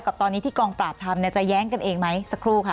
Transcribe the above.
กับตอนนี้ที่กองปราบทำเนี่ยจะแย้งกันเองไหมสักครู่ค่ะ